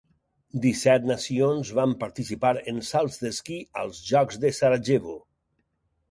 Disset nacions van participar en salts d'esquí als Jocs de Sarajevo.